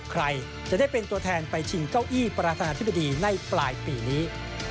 ใครจะได้เป็นตัวแทนไปชิงเก้าอี้ประธานาธิบดีในปลายปีนี้